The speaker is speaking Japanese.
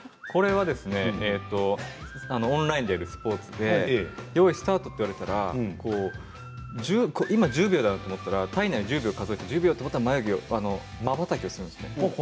オンラインやるスポーツでよーいスタート！と言われたら今１０秒だと思ったら体内１０秒で数えてまばたきをするんです。